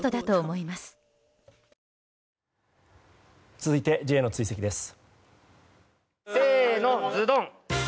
続いて、Ｊの追跡です。